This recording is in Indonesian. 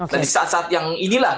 nah di saat saat yang inilah